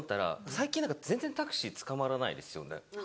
最近何か全然タクシーつかまらないですよね？